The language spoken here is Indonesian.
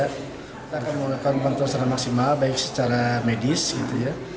kita akan melakukan bantuan secara maksimal baik secara medis gitu ya